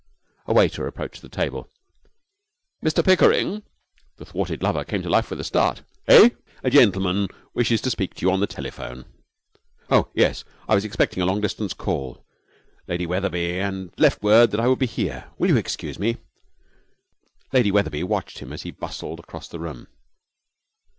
A waiter approached the table. 'Mr Pickering!' The thwarted lover came to life with a start. 'Eh?' 'A gentleman wishes to speak to you on the telephone.' 'Oh, yes. I was expecting a long distance call, Lady Wetherby, and left word I would be here. Will you excuse me?' Lady Wetherby watched him as he bustled across the room.